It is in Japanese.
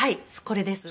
これです。